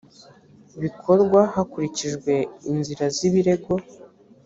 bikorwa hakurikijwe inzira z’ibirego